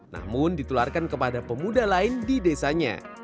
namun ditularkan kepada pemuda lain di desanya